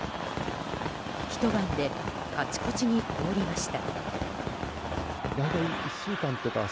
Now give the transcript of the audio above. ひと晩でカチコチに凍りました。